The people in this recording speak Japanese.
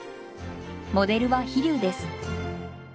モデルは飛竜です。